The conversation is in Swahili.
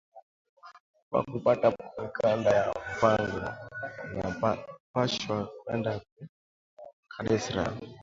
Paku pata mikanda ya mpango, unapashwa kwenda ku cadastre